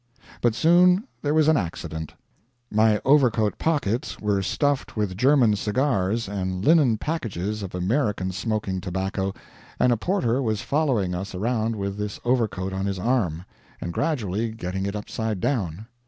But soon there was an accident. My overcoat pockets were stuffed with German cigars and linen packages of American smoking tobacco, and a porter was following us around with this overcoat on his arm, and gradually getting it upside down.